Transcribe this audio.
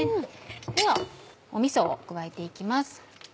ではみそを加えて行きます。